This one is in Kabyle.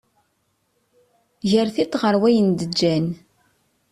Ger tiṭ ɣer wayen d-ǧǧan